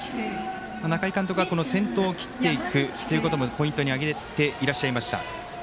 中井監督は先頭を切っていくことをポイントに挙げていらっしゃいました。